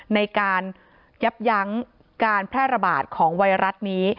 ในการยับยั้งการแพร่ระบาดของไวรัสนี้